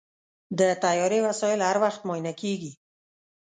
د طیارې وسایل هر وخت معاینه کېږي.